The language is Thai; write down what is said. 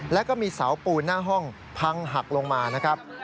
แล้วก็มีเสาปูนหน้าห้องพังหักลงมานะครับ